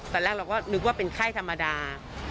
ตอนแรกเราก็นึกว่าเป็นไข้ธรรมดา